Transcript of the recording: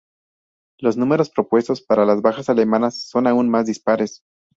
Los números propuestos para las bajas alemanas son aún más dispares.